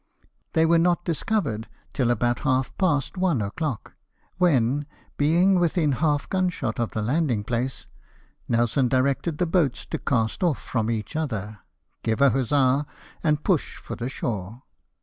They were not discovered till about half past one o'clock, when, being within half gun shot of the landing place, Nelson directed the boats to cast off from each other, give a huzza, and push for the shore.